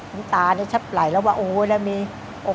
คงตายลายแล้วว่าโอ้